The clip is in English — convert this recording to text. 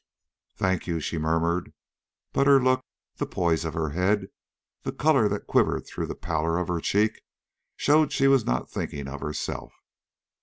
"Thank you," she murmured; but her look, the poise of her head, the color that quivered through the pallor of her cheek, showed she was not thinking of herself.